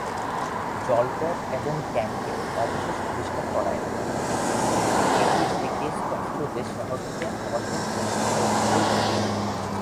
জলপথ এবং ট্যাঙ্কের অবশেষ আবিষ্কার করায় এটি থেকে স্পষ্ট যে শহরটিতে আবাসন ও খামার উভয়ই ছিল।